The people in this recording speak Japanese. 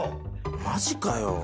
マジかよ。